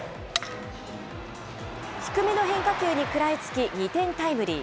低めの変化球に食らいつき、２点タイムリー。